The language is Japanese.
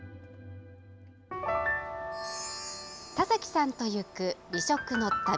田崎さんと行く美食の旅。